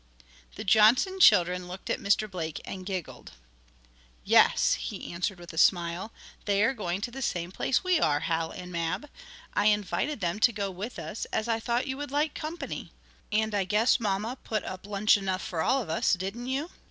The Johnson children looked at Mr. Blake and giggled. "Yes," he answered with a smile, "they are going to the same place we are, Hal and Mab. I invited them to go with us, as I thought you would like company. And I guess mamma put up lunch enough for all of us; didn't you?"